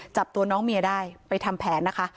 จับตัวน้องเมียได้ไปทำแผนนะคะ